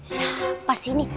siapa sih ini